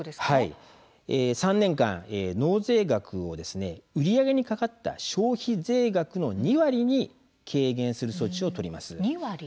３年間、納税額を売り上げにかかった消費税額の２割に軽減する措置を取ります。